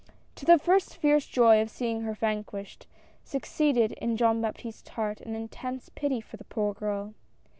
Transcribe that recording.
To the first fierce joy of seeing her vanquished, suc ceeded in Jean Baptiste's h^art an intense pity for the poor girl.